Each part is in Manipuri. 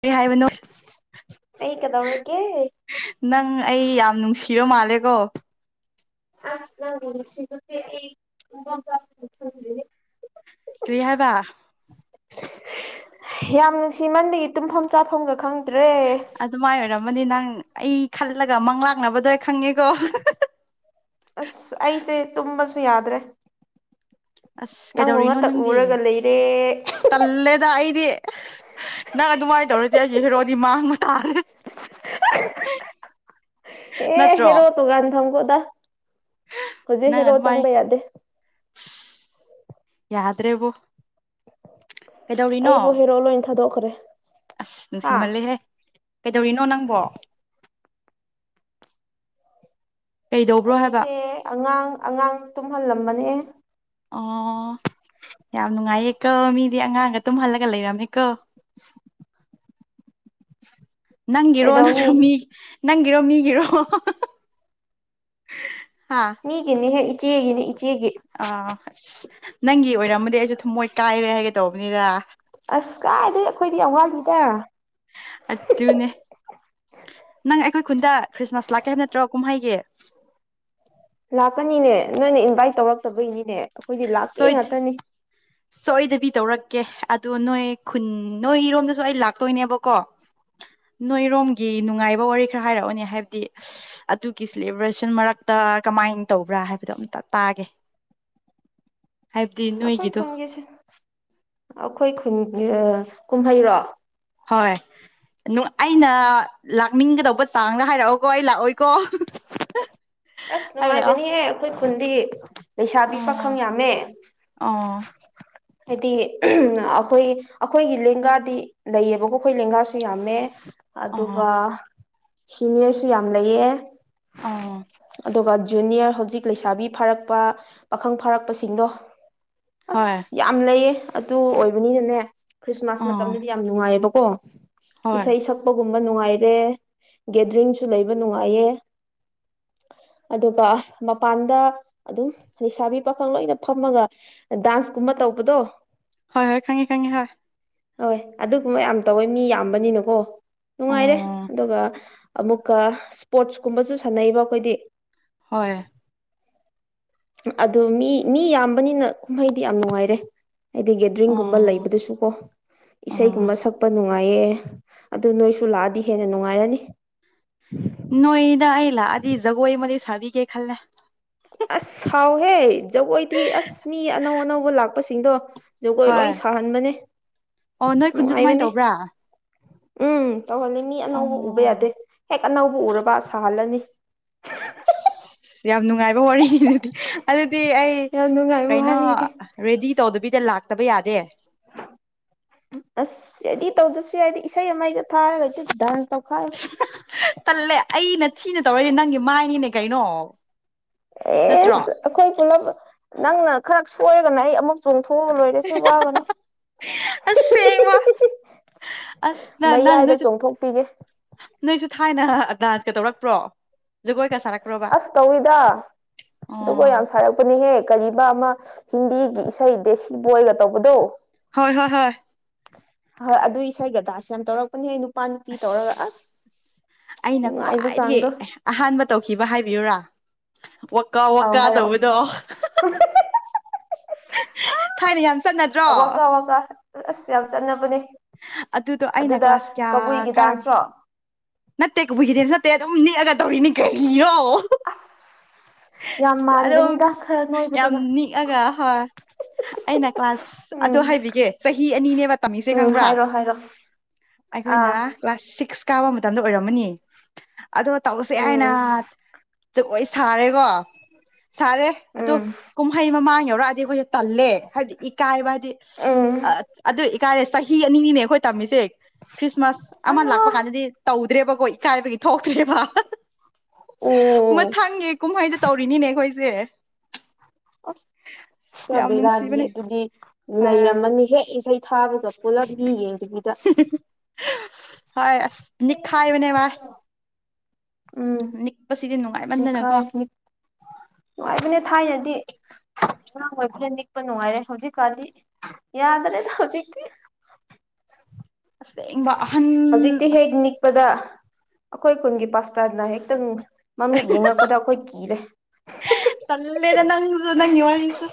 ꯀꯩ ꯍꯥꯏꯕꯅꯣ ꯑꯩ ꯀꯩꯗꯧꯔꯒꯦ ꯅꯪ ꯑꯩ ꯌꯥꯝ ꯅꯨꯡꯁꯤꯔ ꯃꯥꯜꯂꯦꯀꯣ [unintelligible] [unintelligible] [unintelligible] ꯀꯔꯤꯍꯥꯏꯕ ꯌꯥꯝ ꯅꯨꯡꯁꯤꯃꯟꯗꯒꯤ ꯇꯨꯝꯐꯝ ꯆꯥꯐꯝꯒ ꯈꯪꯗ꯭ꯔꯦ ꯑꯃꯅꯤ ꯅꯪ ꯑꯩ ꯈꯜꯂꯒ ꯃꯪꯪꯂꯥꯛꯅꯕꯗ ꯑꯩ ꯈꯪꯉꯦꯀꯣ ꯑꯁ ꯑꯩꯁꯦ ꯇꯨꯝꯕꯁꯨ ꯌꯥꯗ꯭ꯔꯦ ꯑꯁ ꯅꯪꯕꯨ ꯀꯩꯗꯧꯔꯤꯅꯣ ꯉꯥꯛꯇ ꯅꯪꯒꯤ ꯎꯔꯒ ꯂꯩꯔꯦ ꯇꯜꯂꯦꯗ ꯑꯩꯗꯤ ꯅꯪ ꯑꯗꯨꯃꯥꯏꯅ ꯇꯧꯔꯗꯤ ꯑꯩꯁꯨ ꯍꯦꯔꯣꯗꯤ ꯃꯥꯡ ꯑꯦ ꯅꯠꯇ꯭ꯔꯣ ꯍꯦꯔꯣ ꯇꯨꯒꯥꯟ ꯊꯪ ꯀ ꯍꯧꯖꯤꯛ ꯅꯪ ꯍꯦꯔꯣ ꯆꯪꯕ ꯌꯥꯗꯦ ꯌꯥꯗ꯭ꯔꯦꯕꯨ ꯑꯩꯕꯨ ꯍꯦꯔꯣ ꯂꯣꯟ ꯊꯥꯗꯣꯛꯈ꯭ꯔꯦ ꯑꯁ ꯍꯥ ꯅꯨꯡꯁꯤꯃꯜꯂꯦꯍꯦ ꯀꯩꯗꯧꯔꯤꯅꯣ ꯅꯪꯕꯣ ꯀꯩꯗꯧꯕ꯭ꯔꯣ ꯍꯥꯏꯕ ꯑꯩꯁꯦ ꯑꯉꯥꯡ ꯑꯉꯥꯡ ꯇꯨꯝꯍꯜꯂꯝꯕꯅꯦ ꯑꯣ ꯌꯥꯝ ꯅꯨꯡꯉꯥꯏꯌꯦ ꯀꯣ ꯃꯤꯗꯤ ꯑꯉꯥꯡꯒ ꯇꯨꯝꯍꯜꯂꯒ ꯂꯩꯔꯝꯃꯦꯀꯣ [inaudible] [inaudible] ꯅꯪꯒꯤꯔꯣ ꯀꯩꯗꯧꯅꯤ ꯅꯠꯇ꯭ꯔꯣ ꯃꯤ ꯅꯪꯒꯤꯔꯣ ꯃꯤꯒꯤꯔꯣ ꯍꯥ ꯃꯤꯒꯤꯅꯤꯍꯦ ꯏꯆꯦꯒꯤꯅꯤ ꯏꯆꯦꯒꯤ ꯑꯥ ꯑꯁ ꯅꯪꯒꯤ ꯑꯣꯏꯔꯝꯃꯗꯤ ꯑꯩꯁꯨ ꯊꯨꯝꯃꯣꯏ ꯀꯥꯏꯔꯦ ꯍꯥꯏꯒꯦ ꯇꯧꯕꯅꯤꯗ ꯑꯁ ꯀꯥꯏꯗꯩ ꯑꯩꯈꯣꯏꯗꯤ ꯑꯋꯥ ꯑꯠꯇꯨꯅꯦ ꯅꯪ ꯑꯩꯈꯣꯏ ꯈꯨꯟꯗ ꯑꯁ ꯈ꯭ꯔꯤꯁꯃꯥꯁ ꯂꯥꯛꯀꯦ ꯍꯥꯏꯕ ꯅꯠꯇ꯭ꯔꯣ ꯀꯨꯝꯍꯩꯒꯤ ꯂꯥꯛꯀꯅꯤꯅꯦ ꯅꯣꯏꯅ ꯏꯟꯚꯥꯏꯠ ꯇꯧꯔꯛꯇꯕꯩꯅꯤꯅꯦ ꯑꯩꯈꯣꯏꯗꯤ ꯁꯣꯏ ꯂꯥꯛꯀꯦ ꯉꯥꯛꯇꯅꯤ ꯁꯣꯏꯗꯕꯤ ꯇꯧꯔꯛꯀꯦ ꯑꯗꯣ ꯅꯣꯏ ꯈꯨꯟ ꯅꯣꯏꯔꯣꯝꯗꯁꯨ ꯑꯩ ꯂꯥꯛꯇꯣꯏꯅꯦꯕꯀꯣ [inaudible] ꯅꯣꯏꯔꯣꯝꯒꯤ ꯅꯨꯡꯉꯥꯏꯕ ꯋꯥꯔꯤ ꯈꯔ ꯍꯥꯏꯔꯛꯑꯣꯅꯦ ꯍꯥꯏꯕꯗꯤ ꯑꯗꯨꯒꯤ ꯁꯦꯂꯦꯕ꯭ꯔꯦꯁꯟ ꯃꯔꯛꯇ ꯃꯥꯏꯟ ꯇꯧꯕ꯭ꯔꯥ ꯍꯥꯏꯕꯗꯣ ꯑꯝꯇ ꯇꯥꯒꯦ ꯍꯥꯏꯕꯗꯤ ꯁꯈꯣꯏ ꯅꯣꯏꯒꯤꯗꯣ ꯈꯨꯟꯒꯦꯁ ꯑꯩꯈꯣꯏ ꯈ ꯀꯨꯝꯍꯩꯔꯣ ꯍꯣꯏ ꯑꯗꯨ ꯑꯩꯅ ꯂꯥꯛꯅꯤꯡꯒꯗꯧꯕ ꯆꯥꯡꯗ ꯍꯥꯏꯔꯛꯑꯣꯀꯣ ꯑꯩ ꯂꯥꯛꯑꯣꯏꯀꯣ ꯑꯁ ꯍꯥꯏꯔꯛꯑꯣ ꯅꯨꯡꯉꯥꯏꯕꯅꯤꯍꯦ ꯑꯩꯈꯣꯏ ꯈꯨꯟꯗꯤ ꯂꯩꯁꯥꯕꯤ ꯑꯣ ꯄꯥꯈꯪ ꯌꯥꯝꯃꯦ ꯑꯣ ꯍꯥꯏꯗꯤ ꯑꯩꯈꯣꯏ ꯑꯩꯈꯣꯏꯒꯤ ꯂꯦꯡꯒꯥꯗꯤ ꯂꯩꯌꯦꯕꯀꯣ ꯑꯩꯈꯣꯏ ꯂꯦꯡꯒꯥꯁꯨ ꯌꯥꯝꯃꯦ ꯑꯣ ꯑꯗꯨꯒ ꯁꯤꯅꯤꯌꯔꯁꯨ ꯌꯥꯝ ꯂꯩꯌꯦ ꯑꯥ ꯑꯗꯨꯒ ꯖꯨꯅꯤꯌꯔ ꯍꯧꯖꯤꯛ ꯂꯩꯁꯥꯕꯤ ꯐꯥꯔꯛꯄ ꯄꯥꯈꯪ ꯐꯥꯔꯛꯄꯁꯤꯡꯗꯣ ꯍꯣꯏ ꯂꯩꯩꯌꯦ ꯑꯗꯨ ꯑꯣꯏꯕꯅꯤꯅꯅꯦ ꯈ꯭ꯔꯤꯁꯃꯥꯁ ꯑꯥ ꯃꯇꯝꯗꯗꯤ ꯌꯥꯝ ꯅꯨꯡꯉꯥꯏꯌꯦꯕꯀꯣ ꯍꯣꯏ ꯏꯁꯩ ꯁꯛꯄꯒꯨꯝꯕ ꯅꯨꯡꯉꯥꯏꯔꯦ ꯒꯦꯗꯔꯤꯡꯁꯨ ꯂꯩꯕ ꯅꯨꯡꯉꯥꯏꯌꯦ [inaudible] ꯑꯗꯨꯒ ꯃꯄꯥꯟꯗ ꯑꯗꯨꯝ ꯂꯩꯁꯥꯕꯤ ꯄꯥꯈꯪ ꯂꯣꯏꯅ ꯐꯝꯃꯒ ꯗꯥꯟꯁ ꯨꯝꯕ ꯇꯧꯕꯗꯣ ꯍꯣꯏ ꯍꯣꯏ ꯈꯪꯉꯦ ꯈꯪꯉꯦ ꯍꯣꯏ ꯍꯣꯏ ꯑꯗꯨꯒꯨꯝꯕ ꯌꯥꯝ ꯇꯧꯋꯦ ꯃꯤ ꯌꯥꯝꯕꯅꯤꯅꯀꯣ ꯅꯨꯡꯉꯥꯏꯔꯦ ꯑꯣ ꯑꯗꯨꯒ ꯑꯃꯨꯛꯀ ꯁꯄꯣꯔꯠꯁ ꯀꯨꯝꯕꯁꯨ ꯁꯥꯟꯅꯩꯕ ꯑꯩꯈꯣꯏꯗꯤ ꯍꯣꯏ ꯑꯗꯨ ꯃꯤ ꯃꯤ ꯌꯥꯝꯕꯅꯤꯅ ꯀꯨꯝꯍꯩꯗꯤ ꯌꯥꯝ ꯅꯨꯡꯉꯥꯏꯔꯦ ꯍꯥꯏꯗꯤ ꯒꯦꯗꯔꯤꯡꯒꯨꯝꯕ ꯑꯣ ꯂꯩꯕꯗꯁꯨ ꯀꯣ ꯑꯣ ꯏꯁꯩꯒꯨꯝꯕ ꯁꯛꯄ ꯅꯨꯡ ꯅꯨꯡꯉꯥꯏꯌꯦ ꯑꯗꯨ ꯅꯣꯏꯁꯨ ꯂꯥꯛꯑꯗꯤ ꯍꯦꯟꯅ ꯅꯨꯡꯉꯥꯏꯔꯅꯤ ꯅꯣꯏ ꯏꯅ ꯑꯏ ꯂ ꯑꯗꯤ ꯒꯣꯋꯥꯏ ꯃ ꯁꯥꯕꯤꯒꯦ ꯈꯜꯂ ꯑꯁ ꯁꯥꯎꯍꯦ ꯖꯒꯣꯏꯗꯤ ꯑꯁ ꯃꯤ ꯑꯅꯧ ꯑꯅꯧꯕ ꯂꯥꯛꯄꯁꯤꯡꯗꯣ ꯖꯒꯣꯏ ꯍꯣꯏ ꯂꯣꯏ ꯁꯥꯍꯟꯕꯅꯦ ꯑꯣ ꯅꯣꯏ ꯈꯨꯟꯁꯨ ꯑꯗꯨꯃꯥꯏꯅ ꯅꯨꯡꯉꯥꯏꯕꯅꯤ ꯇꯧꯕ꯭ꯔꯥ ꯎꯝ ꯇꯧꯍꯜꯂꯤ ꯃꯤ ꯑꯅꯧꯕ ꯎꯕ ꯌꯥꯗꯦ ꯑꯣ ꯍꯦꯛ ꯑꯅꯧꯕ ꯎꯔꯕ ꯁꯥꯍꯜꯂꯅꯤ [inaudible] ꯌꯥꯝ ꯅꯨꯡꯉꯥꯏꯕ ꯋꯥꯔꯤꯅꯤ ꯑꯗꯨꯗꯤ ꯑꯗꯨꯗꯤ ꯑꯩ ꯌꯥꯝ ꯅꯨꯡꯉꯥꯏꯕ ꯀꯩꯅꯣ ꯋꯥꯔꯤꯅꯦ ꯔꯦꯗꯤ ꯇꯧꯗꯕꯤꯗ ꯂꯥꯛꯇꯕ ꯌꯥꯗꯦ ꯑꯁ ꯔꯦꯗꯤ ꯇꯧꯗꯁꯨ ꯌꯥꯏꯗꯤ ꯏꯁꯩ ꯑꯃꯗ ꯊꯥꯔꯒꯗꯤ ꯇꯜꯂꯦ ꯑꯩꯅ ꯊꯤꯅ ꯇꯧꯔꯏꯗꯤ ꯅꯪꯒꯤ ꯃꯥꯏꯅꯤꯅꯦ ꯀꯩꯅꯣ ꯅꯠꯇ꯭ꯔꯣ ꯑꯦꯁ ꯑꯩꯈꯣꯏ ꯄꯨꯝꯅꯃꯛ ꯅꯪꯅ ꯈꯔ ꯁꯣꯏꯔꯒꯅ ꯑꯩ ꯑꯃꯨ ꯆꯣꯡ ꯊꯣꯛꯑ ꯂꯣꯏꯔ ꯁꯤ ꯋꯥꯒꯅꯨ ꯑꯁꯦꯡꯕ ꯑꯁ ꯅꯪ ꯅꯪ ꯃꯌꯥꯏꯗ ꯅꯣꯏꯁꯨ ꯆꯣꯡꯊꯣꯛꯄꯤꯒꯦ ꯅꯣꯏꯁꯨ ꯊꯥꯏꯅ ꯗꯥꯟꯁꯀ ꯇꯧꯔꯛꯄ꯭ꯔꯣ ꯖꯒꯣꯏꯒ ꯁꯥꯔꯛꯄ꯭ꯔꯣꯕ ꯑꯗꯨꯕꯨꯣ ꯑꯣ ꯌꯥꯝ ꯁꯥꯔꯛꯄꯅꯦꯍꯦꯛ ꯀ ꯑꯃ ꯍꯤꯟꯗꯤꯒꯤ ꯏꯁꯩ ꯗꯦꯁꯤ ꯕꯣꯏꯒ ꯇꯧꯕꯗꯣ ꯍꯣꯏ ꯍꯣꯏ ꯍꯣꯏ ꯍꯣꯏ ꯑꯗꯨ ꯏꯁꯩ ꯒꯗꯥꯁꯦ ꯌꯥꯝ ꯇꯧꯔꯛꯄꯅꯦ ꯑꯩ ꯅꯨꯄꯥ ꯅꯨꯄꯤ ꯇꯧꯔꯒ ꯑꯁ ꯑꯩꯅ ꯅꯨꯡꯉꯥꯏꯕ ꯈ꯭ꯋꯥꯏꯗꯒꯤ ꯆꯥꯡꯗꯣ ꯑꯍꯥꯟꯕ ꯇꯧꯈꯤꯕ ꯍꯥꯏꯕꯤꯌꯨꯔꯥ ꯋꯥꯀꯥ ꯑꯧ ꯋꯥꯀꯥ ꯍꯥꯏꯔꯛꯑꯣ ꯇꯧꯕꯗꯣ ꯊꯥꯏꯅ ꯌꯥꯝ ꯆꯠꯅꯗ꯭ꯔꯣ ꯋꯥꯀꯥ ꯋꯥꯀꯥ ꯑꯁ ꯌꯥꯝ ꯆꯠꯅꯕꯅꯦ ꯑꯗꯨꯗꯣ ꯑꯩꯅ ꯑꯗꯨꯗ ꯀ꯭ꯂꯥꯁ ꯀꯌꯥ ꯀꯕꯨꯏꯒꯤ ꯀꯥꯔꯝ ꯗꯥꯟꯁ꯭ꯔꯣ ꯅꯠꯇꯦ ꯀꯏꯈꯤꯗꯦ ꯅꯠꯇꯦ ꯑꯗꯨꯝ ꯅꯅꯤꯦꯛꯑꯒ ꯇꯧꯔꯤꯅꯤ ꯀꯔꯤꯔꯣ ꯑꯁ ꯌꯥꯝ ꯑꯗꯨꯝ ꯃꯥꯟꯒꯅꯤꯗ ꯈꯔ ꯌꯥꯝ ꯅꯣꯏꯕꯗꯨꯒ ꯅꯤꯛꯑꯒ ꯍꯣꯏ ꯑꯩꯅ ꯀ꯭ꯂꯥꯁ ꯑꯗꯨ ꯎꯝ ꯍꯥꯏꯕꯤꯒꯦ ꯆꯍꯤ ꯑꯅꯤꯅꯦꯕ ꯇꯝꯃꯤꯁꯦ ꯎꯝ ꯈꯪꯕ꯭ꯔꯥ ꯍꯥꯏꯔꯣ ꯍꯥꯏꯔꯣ ꯑꯩꯈꯣꯏꯅ ꯑꯥ ꯀ꯭ꯂꯥꯁ ꯁꯤꯛꯁ ꯀꯥꯕ ꯃꯇꯝꯗ ꯑꯣꯏꯔꯝꯃꯅꯤ ꯑꯗꯨꯒ ꯇꯧꯔꯁ ꯌꯥꯏꯅ ꯎꯝ ꯁꯥꯔꯦꯀꯣ ꯁꯥꯔꯦ ꯑꯣ ꯎꯝ ꯀꯨꯝꯍꯩ ꯃꯃꯥꯡ ꯌꯧꯔꯛꯑꯗꯤ ꯑꯩꯣꯏ ꯇꯜꯂꯦ ꯍꯥꯏꯕꯗꯤ ꯏꯀꯥꯏꯕ ꯍꯥꯏꯗꯤ ꯎꯝ ꯑꯗꯨ ꯏꯀꯥꯏꯔꯦ ꯆꯍꯤ ꯑꯅꯤꯅꯤꯅꯦ ꯑꯩꯈꯣꯏ ꯇꯝꯃꯤꯁꯦ ꯈ꯭ꯔꯤꯁꯃꯥꯁ ꯑꯃꯅ ꯑꯂꯥ ꯂꯥꯛꯄ ꯀꯥꯟꯗꯗꯤ ꯕꯀꯣ ꯏꯀꯥꯏꯕꯒꯤ ꯊꯣꯛꯇ꯭ꯦꯕ ꯑꯣ ꯃꯊꯪꯒꯤ ꯀꯨꯝꯍꯩꯗ ꯇꯧꯔꯤꯅꯤꯅꯦ ꯑꯩꯈꯣꯏ ꯦ ꯑꯁ ꯆꯕ ꯔꯥꯅꯤ ꯑꯗꯨꯗꯤ ꯍꯣꯏ ꯂꯩꯔꯝꯃꯅꯤ ꯍꯦꯛ ꯏꯁꯩ ꯊꯥꯕꯒ ꯄꯨꯂꯞ ꯃꯤ ꯌꯦꯡꯗꯕꯤꯗ ꯍꯣꯏ ꯅꯤꯈꯥꯏꯕꯅꯦ ꯋꯥ ꯎꯝ ꯅꯤꯛꯄꯁꯤꯗꯤ ꯅꯨꯡꯉꯥꯏꯃꯟꯗꯅꯀꯣ ꯅꯤꯈꯥꯏ ꯅꯨꯡꯉꯥꯏꯕꯅꯦ ꯊꯥꯏꯅꯗꯤ ꯑꯉꯥꯡ ꯑꯣꯏꯕꯅ ꯅꯤꯛꯄ ꯅꯨꯡꯉꯥꯏꯔꯦ ꯍꯧꯖꯤꯛꯀꯥꯟꯗꯤ ꯌꯥꯗ꯭ꯔꯦꯗ ꯍꯧꯖꯤꯛꯇ ꯑꯁꯦꯡꯕ ꯑꯍꯟ ꯍꯧꯖꯤꯛꯇꯤ ꯍꯦꯛ ꯑꯁ ꯅꯤꯛꯄꯗ ꯑꯩꯈꯣꯏ ꯈꯨꯟꯒꯤ ꯄꯥꯁꯇꯔꯅ ꯍꯦꯛꯇꯪ ꯃꯃꯤꯠ ꯌꯦꯡꯉꯛꯄꯗ ꯑꯩꯈꯣꯏ ꯀꯤꯔꯦ ꯇꯂꯦꯅ ꯅꯪꯁꯨ ꯅꯪꯤ ꯋꯥꯔꯤꯁꯨ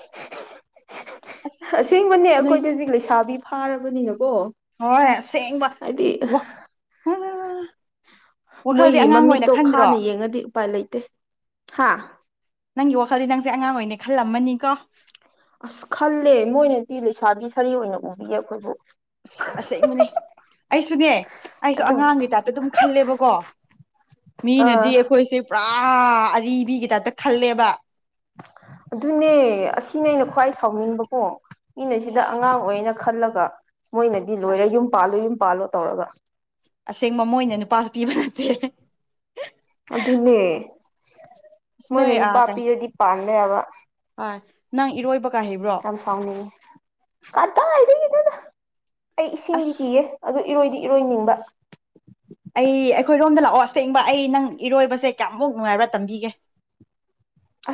ꯑꯁ ꯑꯁꯦꯡꯕꯅꯦ ꯅꯣꯏ ꯑꯩꯈꯣꯏꯗ ꯍꯧꯖꯤꯛ ꯂꯩꯁꯥꯕꯤ ꯐꯥꯔꯕꯅꯤꯅ ꯣ ꯍꯣꯏ ꯑꯁꯦꯡꯕ ꯍꯥꯏꯗꯤ ꯋꯥꯈꯜꯗꯤ ꯃꯣꯏꯒꯤ ꯑꯉꯥꯡ ꯑꯣꯏꯅ ꯃꯃꯤꯠꯇꯣ ꯈꯟꯗ꯭ꯔꯣ ꯈꯥꯅ ꯌꯦꯡꯉꯗꯤ ꯎꯄꯥꯏ ꯂꯩꯇꯦ ꯍꯥ ꯅꯪꯒꯤ ꯋꯥꯈꯜꯗꯤ ꯅꯪꯁꯦ ꯑꯉꯥꯡ ꯑꯣꯏ ꯑꯣꯏꯅ ꯈꯜꯂꯝꯃꯅꯤ ꯑꯁ ꯈꯜꯂꯦ ꯃꯣꯏꯅꯗꯤ ꯂꯩꯁꯥꯕꯤ ꯁꯥꯔꯤ ꯑꯣꯏꯅ ꯎꯕꯤꯌꯦ ꯑꯩꯈꯣꯏꯕꯨ ꯑꯁꯦ ꯃꯅꯤ ꯑꯩꯁꯨꯅꯦ ꯑꯩꯁꯨ ꯑꯗꯨ ꯑꯉꯥꯡꯒꯤꯇꯥꯥꯛꯇ ꯑꯗꯨꯝ ꯈꯜꯂꯦꯕꯀꯣ ꯑꯥ ꯃꯤꯅꯗꯤ ꯑꯩꯈꯣꯏꯁꯦ ꯄꯨꯔꯥ ꯑꯔꯤꯕꯤꯒꯤ ꯇꯥꯏꯞꯇ ꯈꯜꯂꯦꯕ ꯑꯗꯨꯅꯦ ꯑꯁꯤꯅꯦ ꯑꯩꯅ ꯈ꯭ꯋꯥꯏ ꯁꯥꯎꯅꯤꯡꯕꯀꯣ ꯃꯤꯅ ꯁꯤꯗ ꯑꯉꯥꯡ ꯑꯣꯏ ꯑꯣꯏꯅ ꯈꯜꯂꯒ ꯃꯣꯏꯅꯗꯤ ꯂꯣꯏꯔꯦ ꯌꯨꯝ ꯄꯥꯜꯂꯣ ꯌꯨꯝ ꯄꯥꯜꯂꯣ ꯇꯧꯔꯒ ꯑꯁꯦꯡꯕ ꯃꯣꯏꯅ ꯅꯨꯄꯥꯁꯨ ꯄꯤꯕ ꯅꯠꯇꯦ ꯑꯗꯨꯅꯦ ꯑꯁ ꯅꯣꯏ ꯃꯣꯏꯅ ꯑꯥ ꯅꯨꯄꯥ ꯀꯩ ꯄꯤꯔꯗꯤ ꯄꯥꯟ ꯌꯥꯕ ꯍꯣꯏ ꯅꯪ ꯏꯔꯣꯏꯕꯒ ꯍꯩꯕ꯭ꯔꯣ ꯁꯁꯅꯤ ꯀꯗꯥ ꯑꯩ ꯏꯁꯤꯡꯗꯤ ꯑꯁ ꯀꯤꯌꯦ ꯑꯗꯨ ꯏꯔꯣꯏꯗꯤ ꯏꯔꯣꯏꯅꯤꯡꯕ ꯑꯩ ꯑꯩꯈꯣꯏꯔꯣꯝꯗ ꯂꯥꯛꯑꯣ ꯑꯁꯦꯡꯕ ꯑꯩ ꯅꯪ ꯏꯔꯣꯏꯕꯁꯦ ꯀꯌꯥꯃꯨꯛ ꯅꯨꯡꯉꯥꯏꯕ꯭ꯔꯥ ꯇꯝꯕꯤꯒꯦ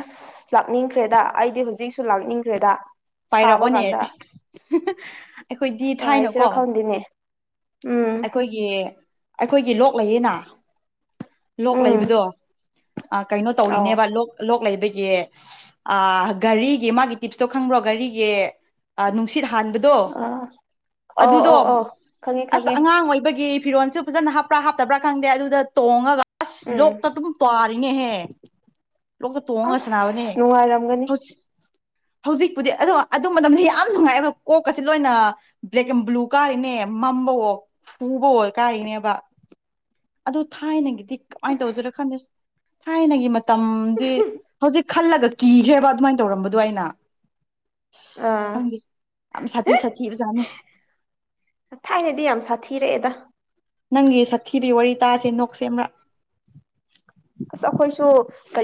ꯑꯁ ꯂꯥꯛꯅꯤꯡꯈ꯭ꯔꯦꯗ ꯑꯩꯗꯤ ꯍꯧꯖꯤꯛꯁꯨ ꯂꯥꯛꯅꯤꯡꯈ꯭ꯔꯦꯗ ꯁꯥꯕ ꯄꯥꯏꯔꯛꯑꯣꯅꯦ ꯀꯥꯟꯗ ꯑꯁ ꯑꯩꯈꯣꯏꯗꯤ ꯊꯥꯏꯅꯀꯣ ꯄꯥꯏꯁꯤꯔꯥ ꯈꯪꯗꯦꯅꯦ ꯎꯝ ꯑꯩꯈꯣꯏꯒꯤ ꯑꯩꯈꯣꯏꯒꯤ ꯂꯣꯛ ꯂꯩꯌꯦꯅ ꯂꯣꯛ ꯎꯝ ꯂꯩꯕꯗꯣ ꯀꯩꯅꯣ ꯑꯧ ꯇꯧꯔꯤꯅꯦꯕ ꯂꯣꯛ ꯂꯣꯛ ꯂꯩꯕꯒꯤ ꯑ ꯘꯔꯤꯒꯤ ꯃꯥꯒꯤ ꯇꯤꯞꯁꯇꯣ ꯈꯪꯕ꯭ꯔꯣ ꯔꯤꯒ ꯅꯨꯡ ꯁꯤꯠ ꯍꯥꯟꯕꯗꯣ ꯑꯥ ꯑꯧ ꯑꯗꯨꯗꯣ ꯑꯧ ꯑꯧ ꯈꯪꯉꯦ ꯑꯁ ꯈꯪꯉꯦ ꯑꯉꯥꯡ ꯑꯣꯏꯕꯒꯤ ꯐꯤꯔꯣꯟꯜꯁꯨ ꯐꯖꯅ ꯍꯥꯞꯄ꯭ꯔꯥ ꯍꯥꯞꯇꯕ꯭ꯔꯥ ꯈꯪꯗꯦ ꯑꯗꯨꯗ ꯇꯣꯡꯉꯒ ꯑꯁ ꯎꯝ ꯂꯣꯛꯇ ꯑꯗꯨꯝ ꯄꯥꯔꯤꯉꯍꯦ ꯂꯣꯛꯇ ꯇꯣꯡꯉꯒ ꯁꯥꯟꯅꯕꯅꯦ ꯑꯁ ꯅꯨꯡꯉꯥꯏꯔꯝꯒꯅꯤ ꯍꯧ ꯍꯧꯖꯤꯛ ꯄꯨꯗꯤ ꯑꯣ ꯑꯗꯨ ꯃꯇꯝꯗ ꯌꯥꯝ ꯅꯨꯡꯉꯥꯏꯑꯦꯕ ꯀꯣꯛꯀꯁꯤꯦ ꯂꯣꯏꯅ ꯕ꯭ꯂꯦꯛ ꯑꯦꯟ ꯕ꯭ꯂꯨ ꯀꯥꯔꯤꯅꯦ ꯃꯝꯕꯋꯣꯛ ꯍꯕꯣꯔ ꯀꯥ ꯏꯅꯦꯕ ꯑꯗ ꯊꯥꯏꯅꯒꯤꯗꯤ ꯀꯃꯥꯏꯅ ꯇꯧꯁꯤꯔꯣ ꯈꯟꯗꯦ ꯊꯥꯏꯅꯒꯤ ꯃꯇꯝꯗꯤ ꯍꯧꯖꯤꯛ ꯈꯜꯂꯒ ꯀꯤꯈ꯭ꯔꯦꯕ ꯑꯗꯨꯃꯥꯏꯅ ꯇꯧꯔꯝꯕꯗꯣ ꯑꯩꯅ ꯑꯥ ꯈꯪꯗꯦ ꯌꯥꯝ ꯁꯥꯊꯤ ꯁꯥꯊꯤ ꯑꯣꯖꯥꯅꯤ ꯊꯥꯏꯅꯗꯤ ꯌꯥꯝ ꯁꯥꯊꯤꯔꯛꯑꯦꯗ ꯅꯪꯒꯤ ꯁꯥꯊꯤꯕꯤ ꯋꯥꯔꯤ ꯇꯥꯁꯦ ꯅꯣꯛꯁꯦꯝꯕ꯭ꯔꯥ ꯑꯁ ꯑꯩꯈꯣꯏꯁꯨ ꯀ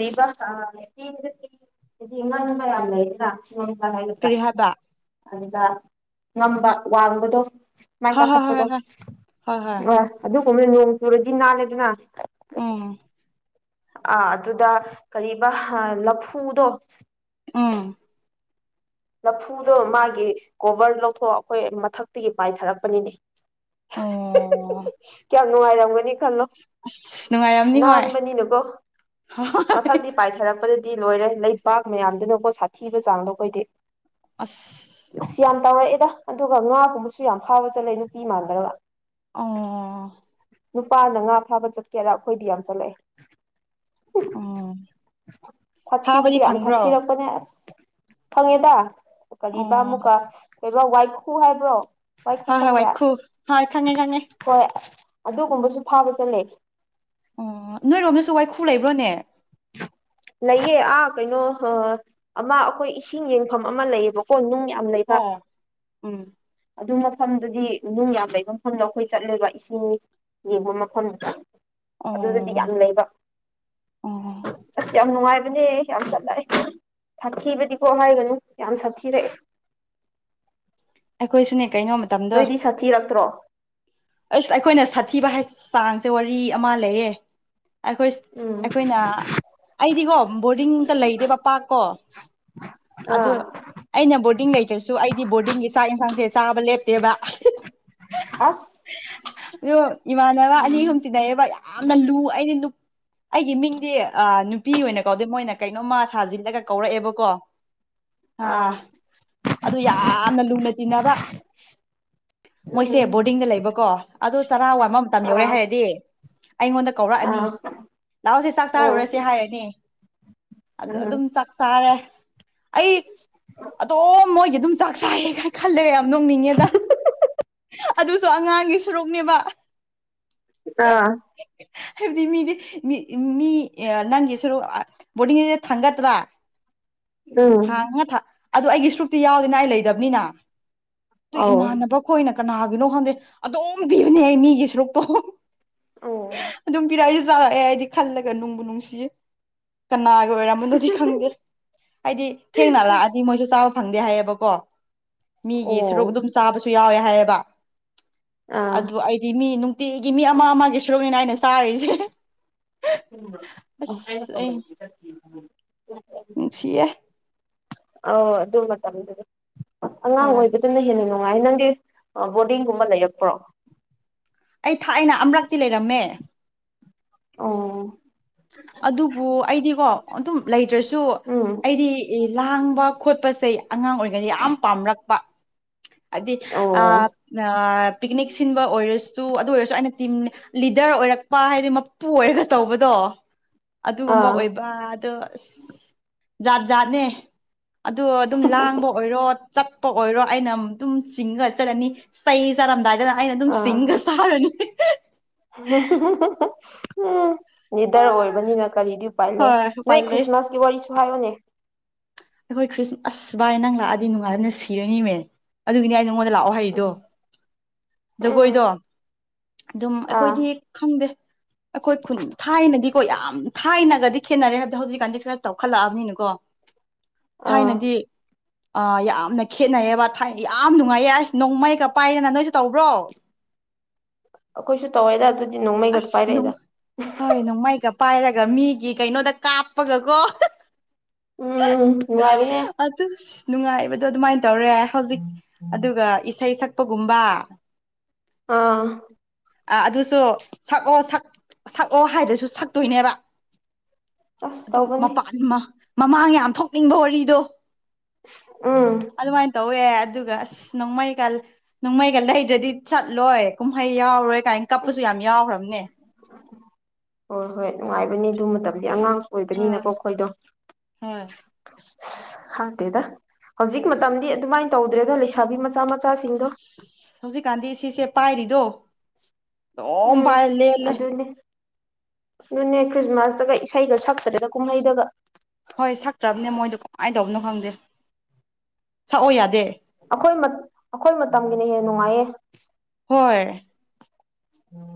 ꯑꯗꯨꯗꯤ ꯏꯃꯥꯡꯅꯃꯥꯏ ꯑꯂ ꯏꯂ ꯆꯣꯟꯕ ꯍꯥꯏꯒꯗ꯭ꯔꯥ ꯀꯔꯤ ꯍꯥꯏꯕ ꯑꯗꯨꯒ ꯉꯝꯕ ꯋꯥꯡꯕꯗꯣ ꯃꯥꯏ ꯍꯣꯏ ꯍꯣꯏ ꯍꯣꯏ ꯄꯥꯈꯠꯄꯗꯣ ꯍꯣꯏ ꯍꯣꯏ ꯍꯣꯏ ꯑ ꯑꯗꯨꯒꯨꯝꯕꯅ ꯅꯣꯡ ꯆꯨꯔꯗꯤ ꯅꯥꯜꯂꯦꯗꯅ ꯎꯝ ꯑꯥ ꯑꯗꯨꯗ ꯀꯔꯤꯕ ꯂꯐꯨꯗꯣ ꯑꯥ ꯂꯐꯨꯗꯣ ꯃꯥꯒꯤ ꯀꯣꯚꯔ ꯂꯧꯊꯣꯛ ꯑꯩꯈꯣꯏ ꯃꯊꯛꯇꯒꯤ ꯄꯥꯏꯊꯔꯛꯄꯅꯤꯅꯦ ꯑꯣ ꯀꯌꯥꯝ ꯅꯨꯡꯉꯥꯏꯔꯝꯒꯅꯤ ꯈꯜꯂꯣ ꯑꯁ ꯅꯨꯡꯉꯥꯏꯔꯝꯅꯤ ꯍꯣꯏ ꯅꯥꯟꯕꯅꯤꯅꯀꯣ ꯍꯣꯏ ꯃꯊꯪꯛꯇ ꯄꯥꯏꯊꯔꯛꯄꯗ ꯗꯤ ꯂꯣꯏꯔꯦ ꯂꯩꯄꯥꯛ ꯃꯌꯥꯝꯗꯨꯅꯀꯣ ꯁꯥꯊꯤꯕ ꯆꯥꯡꯗꯣ ꯑꯩꯈꯣꯏꯗꯤ ꯑꯁ ꯇꯥꯡꯔꯛꯑꯦꯗ ꯑꯗꯨꯒ ꯉꯥꯒꯨꯝꯕꯁꯨ ꯌꯥꯝ ꯐꯥꯕ ꯆꯠꯂꯦ ꯅꯨꯄꯤ ꯃꯥꯟꯗꯒ ꯑ ꯅꯨꯄꯥꯅ ꯉꯥ ꯐꯥꯕ ꯆꯠꯀꯦꯔ ꯑꯩꯈꯣꯏꯗꯤ ꯌꯥꯝ ꯆꯠꯂꯛꯑꯦ ꯎꯝ ꯁꯥꯊꯤꯕꯨꯗꯤ ꯐꯥꯕꯗꯤ ꯌꯥꯝ ꯐꯪꯕ꯭ꯔꯣ ꯁꯥꯊꯤꯔꯛꯄꯅꯦ ꯑꯁ ꯐꯪꯉꯦꯗ ꯀꯕꯥ ꯑꯣ ꯑꯃꯨꯛꯀ ꯀ ꯋꯥꯏꯈꯨ ꯍꯥꯏꯕ꯭ꯔꯣ ꯋꯥꯏꯈ ꯍꯣꯏ ꯍꯣꯏ ꯈꯪꯕ꯭ꯔꯥ ꯋꯥꯏꯈꯨ ꯍꯣꯏ ꯈꯪꯉꯦ ꯈꯪꯉꯦ ꯍꯣꯏ ꯑꯗꯨꯒꯨꯝꯕꯁꯨ ꯐꯥꯕ ꯆꯠꯂꯦ ꯑꯣ ꯅꯣꯏꯔꯣꯝꯗꯁꯨ ꯋꯥꯏꯈꯨ ꯂꯩꯕ꯭ꯔꯣꯅꯦ ꯂꯩꯌꯦ ꯑꯥ ꯀꯩꯅꯣ ꯑꯃ ꯑꯩꯈꯣꯏ ꯏꯁꯤꯡ ꯌꯦꯡꯐꯝ ꯑꯃ ꯂꯩꯌꯦꯕꯀꯣ ꯅꯨꯡ ꯑꯝ ꯂꯩꯀ ꯍꯣꯏ ꯎꯝ ꯑꯗꯨ ꯃꯐꯝꯗꯗꯤ ꯅꯨꯡ ꯌꯥꯝ ꯂꯩꯕ ꯃꯐꯝꯗꯣ ꯑꯩꯈꯣꯏ ꯆꯠꯅꯕ ꯏꯁꯤꯡ ꯌꯦꯡꯕ ꯃꯐꯝꯗ ꯑꯗꯨꯗꯗꯤ ꯌꯥꯝ ꯑꯣ ꯂꯩꯕ ꯑꯣ ꯑꯁ ꯌꯥꯝ ꯅꯨꯡꯉꯥꯏ ꯍꯥꯏꯕꯅꯦ ꯌꯥꯝ ꯆꯠꯂꯥꯛꯑꯦ ꯁꯥꯊꯤꯕꯗꯤꯀꯣ ꯍꯥꯏꯒꯅꯨ ꯌꯥꯝ ꯁꯥꯊꯤꯔꯛꯑꯦ [unintelligible] ꯑꯦꯈꯣꯏ ꯁ ꯅ ꯅꯣꯏꯗꯤ ꯁꯥꯊꯤꯔꯛꯇ꯭ꯔꯣ ꯑꯁ ꯑꯩꯈꯣꯏꯅ ꯁꯥꯊꯤꯕ ꯍꯥꯏ ꯆꯥꯡꯁꯦ ꯋꯥꯔꯤ ꯑꯃ ꯂꯩꯌꯦ ꯑꯩꯈꯣꯏ ꯎꯝ ꯑꯩꯈꯣꯏꯅ ꯑꯩꯗꯤꯀꯣ ꯕꯣꯔꯗꯤꯡꯗ ꯂꯩꯔꯦꯕ ꯄꯥꯛꯔꯀꯣ ꯑꯥ ꯑꯩꯅ ꯕꯣꯔꯗꯤꯡ ꯂꯩꯇ꯭ꯔꯁꯨ ꯑꯩꯗꯤ ꯕꯣꯔꯗꯤꯡꯒꯤ ꯆꯥꯛ ꯌꯦꯟꯁꯥꯡꯁꯦ ꯆꯥꯕ ꯂꯦꯞꯇꯦꯕ ꯍꯁ ꯑꯣ ꯏꯃꯥꯟꯅꯕ ꯑꯅꯤꯍꯨꯝ ꯇꯤꯟꯅꯩꯌꯦꯕ ꯌꯥꯝꯅ ꯂꯨ ꯑꯩꯗꯤ ꯑꯩꯒꯤ ꯃꯤꯡꯗꯤ ꯅꯨꯄꯤ ꯑꯣꯏꯅ ꯀꯧꯗꯦ ꯃꯣꯏꯅ ꯀꯩꯅꯣꯝꯃ ꯁꯥꯖꯤꯜꯂꯒ ꯀꯧꯔꯛꯑꯦꯕꯀꯣ ꯑꯥ ꯑꯗꯨ ꯌꯥꯝꯅ ꯂꯨꯅ ꯆꯤꯟꯅꯅꯕ ꯃꯣꯏꯁꯦ ꯎꯝ ꯕꯣꯔꯗꯤꯡꯗ ꯂꯩꯕꯀꯣ ꯑꯗꯨ ꯆꯔꯥ ꯋꯥꯟꯕ ꯑꯃ ꯇꯝ ꯌꯧꯔꯦ ꯑꯥ ꯍꯥꯏꯔꯗꯤ ꯑꯩꯉꯣꯟꯗ ꯀꯧꯔꯛꯑꯅꯤ ꯑꯥ ꯂꯥꯛꯍꯑꯣꯁꯦ ꯆꯥꯛ ꯎꯝ ꯆꯥꯔꯨꯔꯁꯦ ꯍꯥꯏꯔꯅꯤ ꯑꯗꯨ ꯎꯝ ꯑꯗꯨꯝ ꯆꯥꯛ ꯆꯥꯔꯦ ꯑꯩ ꯑꯗꯣꯝ ꯃꯣꯏꯒꯤ ꯑꯗꯨꯝ ꯆꯥꯛ ꯆꯥꯏꯌꯦꯅ ꯈꯜꯂꯦꯒ ꯌꯥꯝ ꯅꯣꯡꯅꯤꯡꯉꯦꯗ ꯑꯗꯨꯁꯨ ꯑꯉꯥꯡꯒꯤ ꯁꯨꯔꯨꯣꯛꯅꯦꯕ ꯑ ꯍꯥꯏꯕꯗꯤ ꯃꯤꯗꯤ ꯃꯤ ꯅꯪꯒꯤ ꯁꯔ ꯕꯣꯔꯗꯤꯡꯁꯤ ꯊꯥꯡꯒꯠꯇ꯭ꯔꯥ ꯎꯝ ꯊꯥꯡꯉꯥ ꯊꯥ ꯑꯗꯨ ꯑꯩꯒꯤ ꯁꯔꯨꯛꯇꯤ ꯌꯥꯎꯗꯦꯅ ꯑꯩ ꯂꯩꯗꯕꯅꯤꯅ ꯇꯨ ꯑꯧ ꯏꯃꯥꯟꯅꯕ ꯈꯣꯏꯅ ꯀꯅꯥꯒꯤꯅꯣ ꯈꯪꯗꯦ ꯑꯗꯨꯝ ꯄꯤꯕꯅꯦ ꯑꯩ ꯃꯤꯒꯤ ꯁꯔꯨꯛꯇꯣ ꯑꯣ ꯑꯗꯨꯝ ꯄꯤꯔꯛꯏꯁꯨ ꯆꯥꯔꯛꯑꯦ ꯑꯩꯗꯤ ꯈꯜꯂꯒ ꯅꯨꯡꯕꯨ ꯅꯨꯡꯁꯤꯌꯦ ꯀꯅꯥꯒꯤ ꯑꯣꯏꯔꯝꯝꯕꯅꯣꯗꯤ ꯈꯪꯗꯦ ꯍꯥꯏꯗꯤ ꯊꯦꯡꯅ ꯂꯥꯛꯑꯗꯤ ꯃꯣꯏꯁꯨ ꯆꯥꯎ ꯐꯪꯗꯦ ꯍꯥꯏꯌꯦꯕꯀꯣ ꯃꯤꯒꯤ ꯑꯣ ꯁꯔꯨꯛ ꯑꯗꯨꯝ ꯆꯥꯕꯁꯨ ꯌꯥꯎꯋꯦ ꯍꯥꯏꯌꯦꯕ ꯑꯥ ꯑꯗꯨ ꯑꯩꯗꯤ ꯃꯤ ꯅꯨꯡꯇꯤꯒꯤ ꯃꯤ ꯑꯃ ꯑꯃꯒꯤ ꯁꯔꯨꯛꯅꯤꯅ ꯑꯩꯅ ꯆꯥꯔꯏꯁꯦ ꯎꯝ ꯅꯨꯡꯁꯤꯌꯦ ꯑ ꯑꯗꯨ ꯃꯇꯝꯗꯨꯗꯤ ꯑꯉꯥꯡ ꯍꯣꯏ ꯑꯣꯏꯕꯗꯨꯅ ꯍꯦꯟꯅꯥꯏ ꯉꯥꯏ ꯅꯪꯒꯤ ꯕꯣꯔꯗꯤꯡꯒꯨꯝꯕ ꯂꯩꯔꯛꯄ꯭ꯔꯣ ꯑꯩ ꯊꯥꯛ ꯑꯅ ꯑꯔꯛꯇꯤ ꯂꯩꯔꯝꯃꯦ ꯑꯣ ꯑꯗꯨꯕꯨ ꯑꯩꯗꯤꯀꯣ ꯑꯗꯨꯝ ꯂꯩꯇ꯭ꯔꯁꯨ ꯎꯝ ꯑꯩꯗꯤ ꯂꯥꯡꯕ ꯈꯣꯠꯄꯁꯦ ꯑꯉꯥꯡ ꯑꯣꯏꯔꯤꯉꯩ ꯌꯥꯝ ꯄꯥꯝꯔꯛꯄ ꯍꯥꯏꯗꯤ ꯑꯣ ꯄꯤꯛꯅꯤꯛ ꯁꯤꯟꯕ ꯑꯣꯏꯔꯁꯨ ꯑꯗꯨ ꯑꯣꯏꯔꯁꯨ ꯑꯩꯅ ꯇꯤꯝ ꯂꯤꯗꯔ ꯑꯣꯏꯔꯛꯄ ꯍꯥꯏꯗꯤ ꯃꯄꯨ ꯑꯣꯏꯔꯒ ꯇꯧꯕꯗꯣ ꯑꯗꯨꯒꯨꯝꯕ ꯑꯥ ꯑꯣꯏꯕ ꯑꯗꯣ ꯑ ꯖꯥꯠ ꯖꯥꯠꯅꯦ ꯑꯗ ꯑꯗꯨꯝ ꯂꯥꯡꯕ ꯑꯣꯏꯔꯣ ꯆꯠꯄ ꯑꯣꯏꯔꯣ ꯑꯩꯅ ꯑꯃ ꯑꯗꯨꯝ ꯆꯤꯡꯉ ꯆꯠꯂꯅꯤ ꯆꯩ ꯆꯥꯔꯝꯗꯥꯏꯗ ꯑꯩꯅ ꯑꯗꯨꯝ ꯑꯥ ꯁꯤꯡꯒ ꯁꯥꯔꯅꯤ ꯎꯝ ꯅꯤꯗꯔ ꯑꯣꯏꯕꯅꯤꯅ ꯀꯔꯤꯗꯤ ꯎꯄꯥꯏ ꯂꯩ ꯍꯣꯏ ꯎꯄꯥꯏ ꯅꯣꯏ ꯂꯩ ꯈ꯭ꯔꯤꯁꯃꯥꯁꯀꯤ ꯋꯥꯔꯤꯁꯨ ꯍꯥꯏꯌꯨꯅꯦ ꯑꯩꯈꯣꯏ ꯈ꯭ꯔꯤꯁ ꯑꯁ ꯚꯥꯏ ꯅꯪ ꯂꯥꯛꯑꯗꯤ ꯅꯨꯡꯉꯥꯏꯗꯨꯅ ꯁꯤꯔꯅꯤꯃꯦ ꯑꯗꯨꯒꯤꯅꯦ ꯑꯩꯅ ꯑꯩꯉꯣꯟꯗ ꯂꯥꯛꯑꯣ ꯍꯩꯗꯣ ꯎꯝ ꯖꯒꯣꯏꯗꯣ ꯑꯗꯨꯝ ꯑꯥ ꯑꯩꯈꯣꯏꯗꯤ ꯈꯪꯗꯦ ꯑꯩꯈꯣꯏ ꯈꯨꯟ ꯊꯥꯏꯅꯗꯤ ꯀꯣ ꯌꯥꯝ ꯊꯥꯏꯅꯒꯗꯤ ꯈꯦꯠꯅꯔꯦ ꯍꯥꯏꯕꯗꯤ ꯍꯧꯖꯤꯛꯀꯥꯟꯗꯤ ꯈꯔ ꯆꯥꯎꯈꯠꯂꯛꯑꯕꯅꯤꯅꯀꯣ ꯑꯥ ꯊꯥꯏꯅꯗꯤ ꯑ ꯌꯥꯝꯅ ꯈꯦꯠꯅꯩꯌꯦꯕ ꯊꯥꯏ ꯌꯥꯝ ꯅꯨꯡꯉꯥꯏꯌꯦ ꯑꯁ ꯅꯣꯡꯃꯩꯒ ꯄꯥꯏꯗꯅ ꯅꯣꯏꯁꯨ ꯇꯧꯕ꯭ꯔꯣ ꯀꯣꯏꯁꯨ ꯇꯋꯥꯏꯗ ꯑꯗꯨ ꯑꯁ ꯅꯣꯡ ꯍꯣꯏ ꯅꯣꯡꯃꯥꯏ ꯀꯞ ꯄꯥꯏꯔꯒ ꯃꯤꯒꯤ ꯀꯩꯅꯣꯗ ꯀꯥꯞꯄꯒꯀꯣ ꯎꯝ ꯅꯨꯡꯉꯥꯏꯕꯅꯦ ꯑꯗꯨ ꯅꯨꯡꯉꯥꯏꯕꯗꯣ ꯑꯗꯨꯃꯥꯏꯅ ꯇꯧꯔꯦ ꯍꯧꯖꯤꯛ ꯑꯗꯨꯒ ꯏꯁꯩ ꯁꯛꯄꯒꯨꯝꯕ ꯑꯥ ꯑ ꯑꯗꯨꯁꯨ ꯁꯛꯑꯣ ꯁ ꯁꯛꯑꯣ ꯍꯥꯏꯗꯨꯁꯨ ꯁꯛꯇꯣꯏꯅꯦꯕ ꯑꯁ ꯑꯗꯨꯝ ꯇꯧꯕꯅꯤ ꯃꯄꯥꯟ ꯑꯃ ꯃꯃꯥꯡ ꯌꯥꯝ ꯊꯣꯛꯅꯤꯡꯕ ꯋꯥꯔꯤꯗꯣ ꯎꯝ ꯑꯗꯨꯃꯥꯏꯅ ꯇꯧꯋꯦ ꯑꯗꯨ ꯑꯗꯨꯒ ꯑꯁ ꯅꯣꯡꯃꯩꯒ ꯅꯣꯡꯃꯩꯒ ꯂꯩꯗ꯭ꯔꯗꯤ ꯆꯠꯂꯣꯏ ꯀꯨꯝꯍꯩ ꯌꯥꯎꯔꯣꯏ ꯀꯥꯏꯅ ꯀꯞꯄꯁꯨ ꯌꯥꯝ ꯌꯥꯎꯈ꯭ꯔꯕ ꯍꯣꯏ ꯍꯣꯏ ꯅꯨꯡꯉꯥꯏꯕꯅꯤ ꯑꯗꯨ ꯃꯇꯝꯗꯤ ꯑꯉꯥꯡ ꯍꯣꯏ ꯑꯣꯏꯕꯅꯤꯅꯀꯣ ꯑꯩꯈꯣꯏꯗꯣ ꯍꯣꯏ ꯑꯁ ꯍꯥꯡꯇꯦꯗ ꯍꯧꯖꯤꯛ ꯃꯇꯝꯗꯤ ꯑꯗꯨꯃꯥꯏꯅ ꯇꯧꯗ꯭ꯔꯦꯗ ꯂꯩꯁꯥꯕꯤ ꯃꯆꯥ ꯃꯆꯥ ꯆ ꯁꯤꯗꯣ ꯑꯁ ꯍꯧꯖꯤꯛꯀꯥꯟꯗꯤ ꯁꯤꯁꯦ ꯄꯥꯏꯔꯤꯗꯣ ꯑꯗꯨꯝ ꯎꯝ ꯄꯥꯏꯔ ꯂꯦꯂꯦ ꯑꯗꯨꯅꯦ ꯑꯗꯨꯅꯦ ꯈ꯭ꯔꯤꯁꯃꯥꯁꯇꯒ ꯏꯁꯩꯒ ꯁꯛꯄꯗꯒ ꯀꯨꯝꯍꯩꯗꯒ ꯍꯣꯏ ꯁꯛꯇ꯭ꯔꯕꯅꯦ ꯃꯣꯏꯗꯣ ꯀꯃꯥꯏꯅ ꯇꯧꯕꯅꯣ ꯈꯪꯗꯦ ꯁꯛꯑꯣ ꯌꯥꯗꯦ ꯑꯩꯈꯣꯏ ꯑꯩꯈꯣꯏ ꯃꯇꯝꯒꯤꯅ ꯍꯦꯟꯅ ꯅꯨꯡꯉꯥꯏꯌꯦ ꯎ